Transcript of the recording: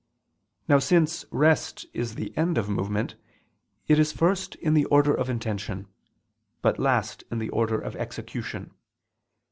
Now since rest is the end of movement, it is first in the order of intention, but last in the order of execution.